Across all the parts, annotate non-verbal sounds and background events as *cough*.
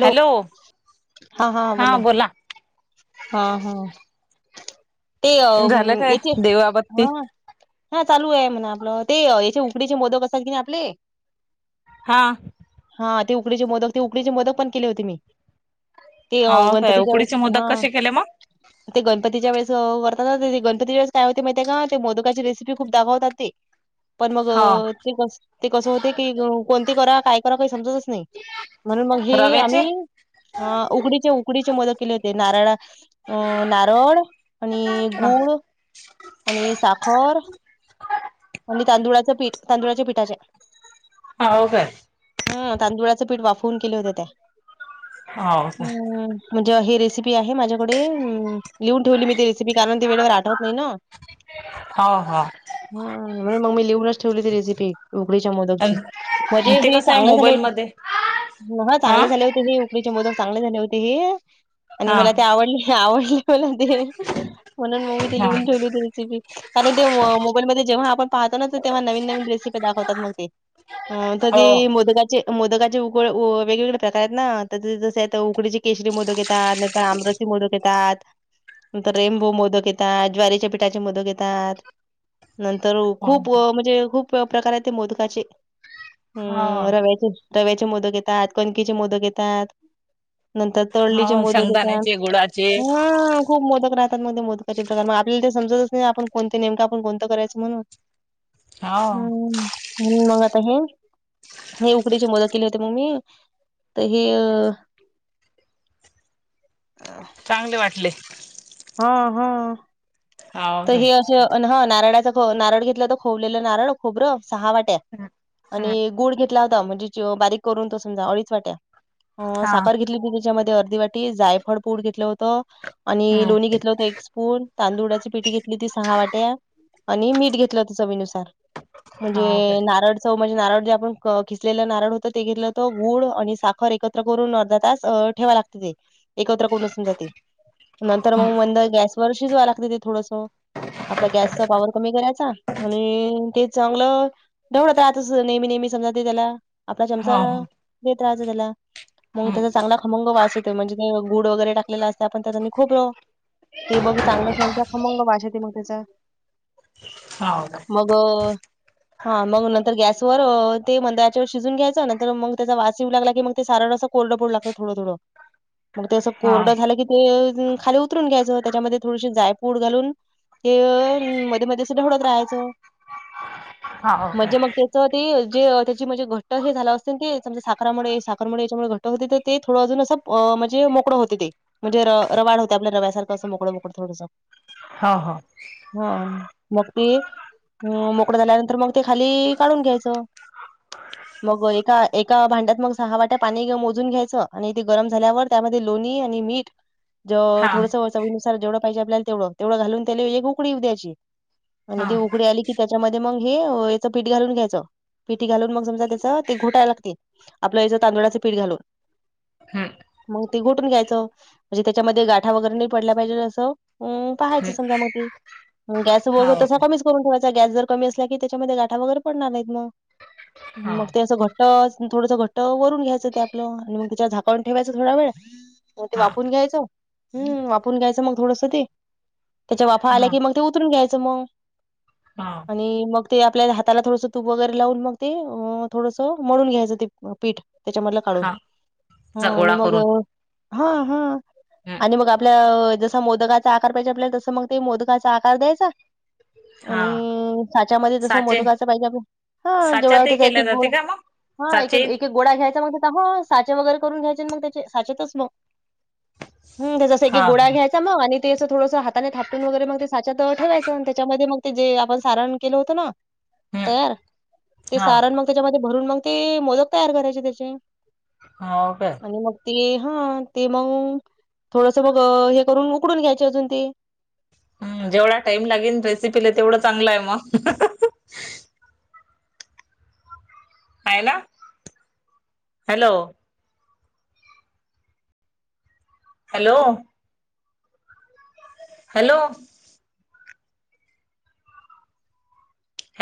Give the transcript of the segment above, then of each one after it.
Hello हा हा हां बोला. हा हा ते झालं काय इथे देवाबत्ती हा चालू आहे म्हणा आपलं ते याचे उकडीचे मोदक असल की नाही आपले हां. हा ते उकडीचे मोदक ते उकडीचे मोदक पण केले होते मी. ते अ, हाव काय गणपतीच्या वेळेस उकडीचे हा मोदक कसे केले मग? *unintelligible* ते गणपतीच्या वेळेस वरात ते गणपती वेळेस काय होते माहितीे का ते मोदकाची रेसिपी खूप दावतात ते. पण मग हो ते कस ते कस होते की कोणती करा काय करा काही समजतच नाही म्हणून मग हे रव्याचे आम्ही उकडीचे, उकडीचे मोदक केले होते नारळा अ नारळ आणि हो गुळ आणि साखर आणि तांदुळाच पीठ तांदुळाच्या पीठाच्या.. हाव काय. हम्म, तांदुळाचं पीठ वाफवून केले होते त्या, का हम्म. म्हणजे हे रेसिपी आहे माझ्याकडे लिहून ठेवली मी ते रेसिपी कारण ते वेळेवर आठवत नाही ना. हा हा. होय मग मी लिहूनच ठेवली ती रेसिपी. उकडीच्या मोदकची, म्हणजे ते हे कसं आहे चांगले झाले मोबाईल होती, मध्ये हा चांगले झाले होते हे. उकडीचे मोदक चांगले झाले होते हे, आणि हा मला ते आवडले, आवडले. करून दे, म्हणून मी ती हा लिहून ठेवली. होती रेसिपी, कारण ते मोबाईल मध्ये जेव्हा आपण पाहतो ना, तेव्हा नवीन-नवीन रेसिपी दाखवतात मग ते. हा कधी हो ती मोदकाची. मोदकाचे उकड वेगवेगळे प्रकार आहेत ना, तर जसे उकडीचे केशरी मोदक येतात, नंतर आम मोदक येतात, नंतर रेनबो मोदक येतात, ज्वारीच्या पिठाचे चे मोदक येतात, नंतर हो खूप व म्हणजे खूप. खूप प्रकार आहे ते मोदगाचे, हा अम् रव्याचे. रव्याचे मोदक येतात, कणकेचे मोदक येतात, नंतर. तळलीचे हो मोदक येतात. शेंगदाण्याचे गुळाचे हम्म. खूप मोदक राहतात, मध्ये मोदकाचे प्रकार मग आपल्याला ते समजतच नाही, कोणते आपण कोणंत करायचं म्हणून. हो हम्म मग आत हे. हे उकडीचे मोदक केली होती ना मी ते हे. हा. *inaudible* चांगलं वाटले. हा, हा. हो तर काय हे असं ह नारळाचा नारळ घेतला तर खोवलेलं नारळ खोबरं सहा वाट्या. हा आणि गूळ घेतला होता म्हणजे बारीक करून तो समजा अडीच वाट्या. अ हा साखर घेतली होती मी त्याच्यामध्ये अर्धी वाटी, जायफळ पूड घेतलं होत. आणि लोणी घेतला होता एक स्पून, तांदुळाची पिठ घेतली होती सहा सहा वाट्या, आणि मीठ घेतलं होत चवीनुसार म्हणजे हो काय नारळ चव म्हणजे, नारळ जे आपण खिसलेलं नारळ होतं ते घेतलं होतं, गूळ आणि साखर एकत्र करून अर्धा तास ठेवायं लागते ते, एकत्र करून समजा ते, नंतर मग मंद गॅस वर शिजवायला लागते ते थोडस. आपल्या गॅसचा पॉवर कमी करायचा, आणि ते चांगलं ढवळत राहतस नेहमी-नेहमी समजा ते त्याला आपला चमचा हो देत राहात त्याला. मग त्याचा हो चांगला खमंग वास येतोय, म्हणजे ते गुळ वगैरे टाकलेला असतोय आपण, त्यात आणि खोबरं. ते बघ चांगलं खमंग वास येतोय मग त्याचा. हो काय *unintelligible* बर. हा मग नंतर गॅसवर ते मंद आचेवर शिजवून घ्यायचं, नंतर मग त्याचा वास येऊ लागला की मग ते सारण अस. कोरडे पडू लागत थोड-थोड. मग ते असं हो कोरडं झालं की ते खाली उतरून घ्यायचं त्याच्यामध्ये थोडीशी जाय पूड घालून ते मध्ये-मध्ये ढवळत राहायचं. हा ओके म्हणजे मग ते. ते जे त्याची म्हणजे घट्ट झाला असल ते समजा साखरमुळे साखरेमुळे घट्ट मग तिथं ते थोडं अजून असं म्हणजे मोकळं होते ते. म्हणजे रवाळ होते, आपल्या रव्यासारखं मोकळं-मोकळं थोडंसं. हा, हा. हा मग ते, अ मोकळं झाल्यानंतर मग ते खाली काढून घ्यायचं. *inaudible* मग एका-एका भांड्यात मग सहा वाट्या पाणी मोजून घ्यायचं, आणि ते गरम झाल्यावर त्यामध्ये लोणी आणि मीठ *inaudible* ज हा थोडस चवीनुसार जेवढं पाहिजे आपल्याला तेवढं, तेवढं घालून त्याले एक उकळी येऊन द्यायची. हा आणि ते उकळी आली की त्याच्यामध्ये मग हे याचं पीठ घालून घ्यायचं. पिठी घालून मग समजा त्याच ते घोटायला लागते. आपलं ह्याच तांदुळाचं पीठ घालू हम्म मग ते घोटून घ्यायचं,, म्हणजे त्याच्यामध्ये गाठा वगैरे नाही पडल्या पाहिजे जसं. हम्म पहायचं समजा मग ते गॅस हा तसा ओके हो कमीच करून ठेवायचा. गॅस जर कमी असला की त्याच्यामध्ये गाठा वगैरे पडणार नाहीत मग. हा मग ते असं घट्टस, थोडंस घट्ट वरून घ्यायचं ते आपलं, आणि मग त्याच्या झाकावून ठेवायचं थोडा वेळ मग ते हा वाफवून घ्यायचं. हम्म..... वाफवून घ्यायचं मग थोडसं ते त्याच्या वाफा आल्या की, मग ते उतरून घ्यायचं मग. हा. आणि मग ते आपल्या हाताला थोडंसं तूप वगैरे लावून मग ते,, अ थोडंसं मळून घ्यायचं ते पीठ. त्याच्यामधलं काढून,, हा चा हा आणि गोळा मग करून हा हा,, हम्म आणि मग आपल्या जसं मोदकात चा आकार पाहिजे आपल्या तसं मग ते मोदकाचा आकार द्यायचा हा आणि साच्यामध्ये जसं साचे मोदकाच पाहिजे. हा जेवढा साच्यातही होतेचा एक केल्या एक जाते गूळ का मग हा साचे एकेक एकेक गोळा घ्यायचा. मग त्या हो साचे वगैरे करून घ्यायचे मग त्याचे साचेतच हम्म.... त्याचा असं एकेक हा गोळा हा घ्यायचा मग आणि ते असं थोडंसं हाताने थापटून वगैरे मग ते साच्यात ठेवायचं,, त्याच्यामध्ये मग ते जे आपण सारण केलं होतं ना हम्म तयार,, ते हा सारण मग त्याच्यामध्ये भरून मग ते मोदक तयार करायचे त्याचे. हा ओके. आणि मग ते हा, ते मंग थोडसं मग हे करून उकडून घ्यायचे अजून ते. हम्म जेवढा टाइम लागेल रेसिपीला तेवढं चांगलं आहे मग आहे ना, हॅलो! हॅलो! हॅलो!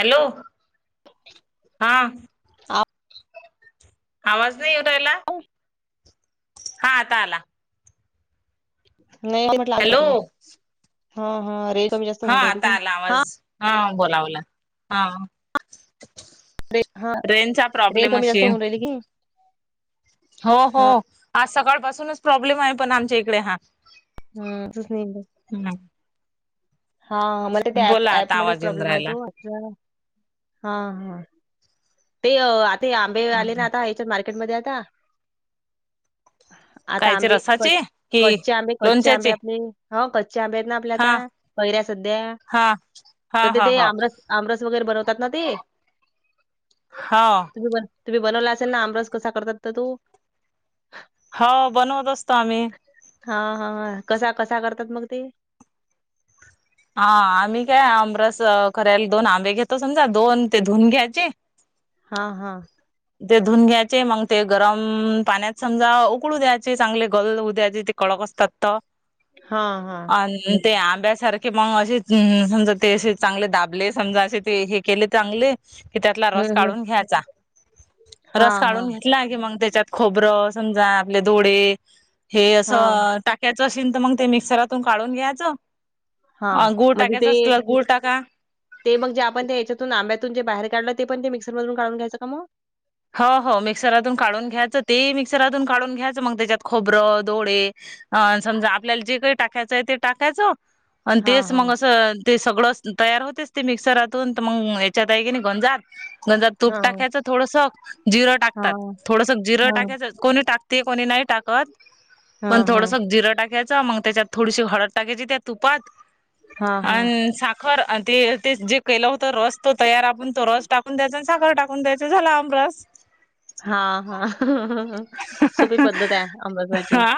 हॅलो, हां. आ आवाज नाही एऊ रायला. हा आता आला. नाही मट ला करलो, हॅलो हा हा रेंज कमी जास्त हा होऊन राहिली आता की आला हां आवाज,, हा बोलावला, हा. रेंनचा प्रॉब्लेम अशेल मिल गे हो हो,, आज सकाळपासूनच प्रॉब्लेम आहे पण आमच्या इकडे हा हं तूचनै बोला हा, मला त्या प बोला आता ऍपमुळंच आवाज येऊन प्रॉब्लेम आहे राहिला तो. हा, हा, ते आता आंबे आले ना हम्म आता मार्केटमध्ये आता. आता कायचे आंबे रसाचे कच् कि कच्चे आंबे कच्चे आंबे लोणच्याचे आपले, हं कच्चे आंबे आहेत ना आपले आता. हा ्या सध्या,, हा तर हा हा तेथे ह आमरस आमरस वगैरे बनवतात ना ते हा तुम्ही बनवला असेल ना, आमरस कसा करतात तर तू? हो बनवत असतो आम्ही. हा हा, कसा कसा करतात मग ते? हा आम्ही काय आमरस करायला, दोन आंबे घेतो समजा दोन ते धुून घ्यायचे. हा हा ते धुऊून घ्यायचे मग ते गरम पाण्यात समजा उकळू द्यायचे, चांगले गल होऊ द्यायचे ते कडक असतात. त हा हा आणि ते आंब्यासारखे मग असे समजा ते असे चांगले दाबले समजा असे ते हे केले चांगले. कि त्यातला हं, रस हं. काढून घ्यायचा. रस हां, हां. काढून घेतला की, मग त्याच्यात खोबरं समजा आपले डोळे हे हां, असं टाकयचं असेल तर मग ते मिक्सरातून काढून घ्यायचं हां. हा गुळ म्हणजे टाक्याच ते असलं त गुळ टाका. ते मग जे आपण त्या याच्यातून आंब्यातून ज बाहेर काढलं ते पण ते म्सरमधून काढून घ्यायचं का मग? हो हो मिक्सरातून काढून घ्यायचं, ते मिक्सरातून काढून घ्यायचं मग त्याच्यात खोबरं डोळे अ समजा आपल्याला जे काही टाकायचं आहे, ते टाकायचं आणि हां, तेच मग हां. असं ते सगळं तयार होतेच ते मिक्सरातून तर मग या्याच्यात आहे की नाही गंजात गंजात तूप हां, टाकायचं. थोडस जिरं टाकतात, हां. थोडस जिरं हां. टाकायचं. कोणी टाकते कोणी नाही टाकत पण हां, हां. थोडंस जिरं टाक्या च त्याच्यात थोडीशी हळद टाकायची त्या तुपात हां, हां. अन सा खर ते जे केलं होत रस तो तयार आपण तो रस टाकून द्यायचा आणि साखर टाकून द्यायचं, झाला आमरस. *unintelligible* हा हा हा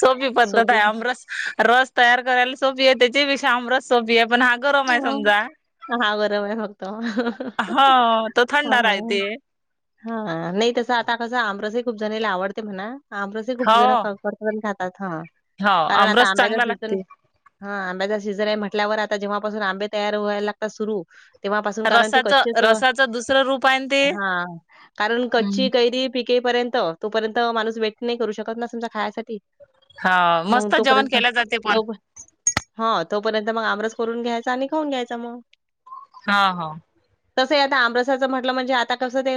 सोपी पद्धत आहे आमरस. रस तयार करायला सोपी आहे त्याच्याही पेक्षा आमरस सोपी आहे, पण हा गरम आहे समजा. हा गरम फक्त. हाव तो थंडा हां. राहते. हा नाही तसं आता कसं आमरस खूप जणनायला आवडते म्हणा आमरसही खूप हो जण खा त पण खातात हा हो कारण आता आमरस आंब्याचा चांगला सीजन. लागते हा आंब्याचा सीझन आहे म्हटल्यावर आता जेव्हापासून आंबे तयार व्हायला लागता सुरु. तेव्हापासून कारण ते रसाच कच्चेच रसाच दुसरं रूप आहे ना ते हा कारण कच्ची कैरी. पिकेपर्यंत तोपर्यंत माणूस वेट नाही करू शकत ना समजा खायसाठी. हा मग मस्त जेवण तोपर्यंत केल्या जाते पण तो प. हा तोपर्यंत मग आमरस करून घ्यायचा, आणि खाऊन घ्यायचा मग. हा हा. तसंय आता आमरसाचं म्हटलं म्हणजे आता कसं ते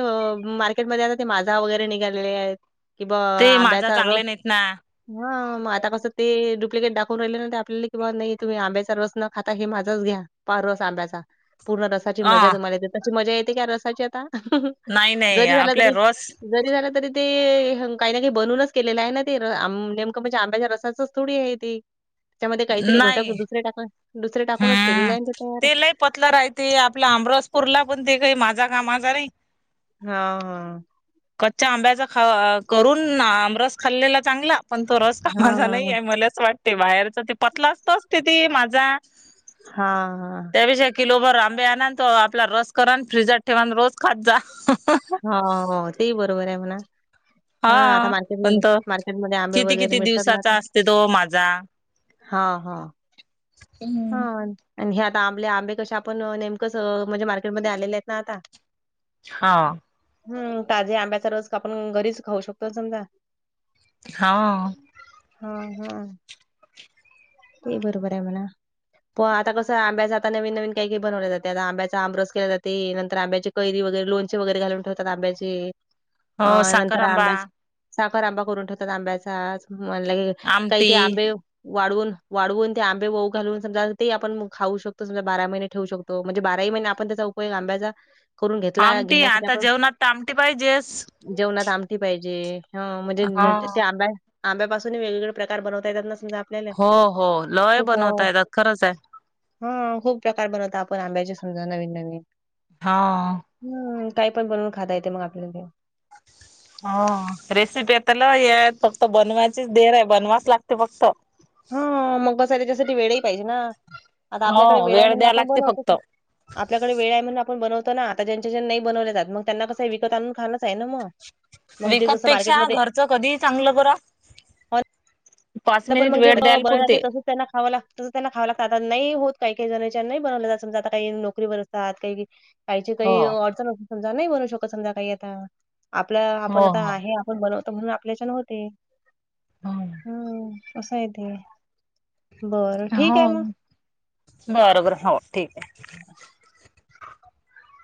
मार्केटमध्ये आता ते माझा वगैरे निघालेले आहेत. कि बा ते माझा आंब्याचा चांगले रस. नाहीत ना हा मग आता कसं ते डुप्लिकेट दाखवून राहिले नंतर आपल्याला किं नाही तुम्ही आंब्याचा रस न. आता हे माझाच घ्या पार रस आंब्याचा पूर्ण रसाची अ मजा च मजा ते. त्याशी मजा येते का रसाची आता नाही नाही जरी झाला आपल्या तरी. रस जरी झालं तरी ते काही ना काही बनूनच केलेलं आहे ना ते नेमकं म्हणजे आंब्याच्या रसाचं. थोडी आहे ती त्याच्यामध्ये काहीतरी नाही घटक दुसरे टाका दुसरे टाकूनच केलेले हम्म आहे ते तयार. लय पतला राहते आपल्या आमरसपूरला, पण ते काही माझा कामाचा नाही. हा हा. कच्च्या आंब्याचा खा करून आमरस खाल्लेला चांगला. पण तो रस कामाचा हां, नाही आहे, मलाच असं वाटते बाहेरचा ते पतला असतोच ते माझा. हा हा. त्यापेक्षा किलोभर आंबे आणन त आपला रस करा आणि फ्रीजात ठेवान रोज खात जा. हा हा तेही बरोबर आहे म्हणा. हा आता पण मार्केटमध्ये तो मार्केटमध्ये आंबे किती वगैरे किती मिळतात ना आता. दिवसाचा असते तो माझा हा हा *unintelligible* हा. आणि हे आता आंबले आंबे कसे आपण नेमकंच म्हणजे मार्केटमध्ये आलेले आहेत ना आता. हा. हम्म ताजे आंब्याचा रस आपण घरीच खाऊ शकतो समजा. हा. *unintelligible* हा हा. *unintelligible* ते बरोबर आहे म्हणा. पण आता कसं आंब्याच आता नवीन नवीन काही काही बनवल्या जाते. आता आंब्याचा आंबरस केला जाते नंतर आंब्याचे. कैरी वगैरे लोणचे वगैरे घालून ठेवतात. आंब्याचे अ हो साखर नंतर आंबा आंब्याचे. साखर आंबा करून ठेवतात आंब्याचा. म्हण काही ते आमटी आंबे वाळवून. वाळवून ते आंबे वऊ घालून समजा ते आपण खाऊ शकतो समजा बारा महिने ठेवू शकतो म्हणजे बारा ही महिने आपण त्याचा उपयोग *inaudible* उपयोग आंब्याचा. करून घेतला आमटी घेण्यासाठी आता. आपण जेवणात तर आमटी पाहिजेच. जेवणात आमटी पाहिजे. ह हो म्हणजे ते आंब्या. आंब्यापासून वेग वेगळे प्रकार बनवता येतात ना समजा. आपल्याला हो हो लय खूप अ, बनवता येतात खरंच आहे. हा खूप प्रकार बनवता आपण आंब्याची समजा नवीन नवीन हा. हम्म काही पण बनवून खाता येते मग आपल्याला. ह. *unintelligible* हो रेसिपी आता ल *unintelligible* हे फक्त बनवायचीच देर आहे बनवा वीच लागते फक्त. हा मग बसा त्याच्यासाठी वेळेही पाहिजे ना. आता आपल्याकडे हो वेळ म्हणून द्याय आपण लागते बनवतो. फक्त. आपल्याकडे वेळ आहे म्हणून आपण बनवतो ना. आता ज्यांच्या ज्यां नाही बनवले जातमग त्यांना कसं आहे विकत आणून खाणंच आहे ना मग. मग जे विकत जसं पेक्षा मार्केटमध्ये घरचं कधी ही चांगल बरं. हो पाच पण मिनिट मग जे वेळ द्यायला बनवते पुरते. तसंच त्यांना खावं लागत. त्यांना खावं लागत आता नाही होत काही काही जणच्या नाही बनवलं जात. समजा आता काही नोकरीवर असतात काही. काहीची हो काही अडचण अस समजा नाही बनू शकत समजा काही आता आपलं आपण हो आता हो. आहे. आपण बनवत म्हणून आपल्या च्यान होते हम असंय ते बरं, ठीक हो आहे मग बरं बरं हो ठीक आहे.